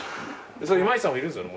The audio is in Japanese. それ今市さんもいるんですよね？